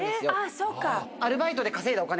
そうか。